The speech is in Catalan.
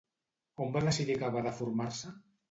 On va decidir acabar de formar-se?